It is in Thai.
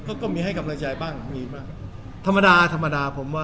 ก็ก็มีให้กำลังใจบ้างมีบ้างธรรมดาธรรมดาผมว่า